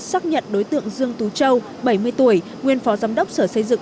xác nhận đối tượng dương tú châu bảy mươi tuổi nguyên phó giám đốc sở xây dựng